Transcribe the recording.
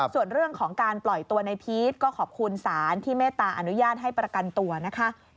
ส่วนเรื่องของการปล่อยตัวในพีชก็ขอบคุณศาลที่เมตตาอนุญาตให้ประกันตัวนะคะ